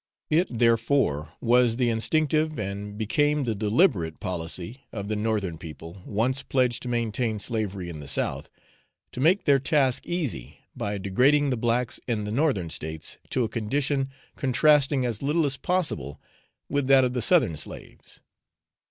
It therefore was the instinctive, and became the deliberate policy of the Northern people, once pledged to maintain slavery in the South, to make their task easy by degrading the blacks in the Northern States to a condition contrasting as little as possible with that of the Southern slaves.